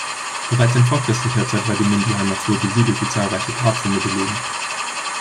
Bereits in vorchristlicher Zeit war die Mindelheimer Flur besiedelt, wie zahlreiche Grabfunde belegen.